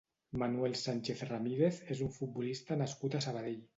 Manuel Sánchez Ramírez és un futbolista nascut a Sabadell.